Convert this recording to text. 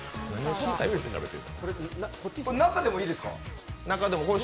中でもいいですか？